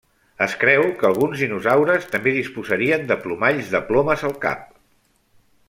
Es creu que alguns dinosaures també disposarien de plomalls de plomes al cap.